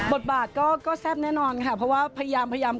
บทบาทก็แซ่บแน่นอนค่ะเพราะว่าพยายามพยายาม